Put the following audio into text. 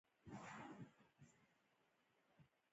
کچالو له ټولو سره برابر دي